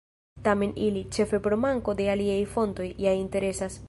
Tamen ili, ĉefe pro manko de aliaj fontoj, ja interesas.